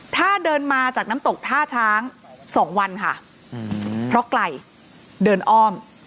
ถ้าเดินมาจากน้ำตกท่าช้างสองวันค่ะเพราะไกลเดินอ้อม